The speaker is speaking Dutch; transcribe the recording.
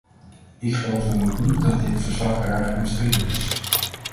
Ik geloof dan ook niet dat dit verslag erg omstreden is.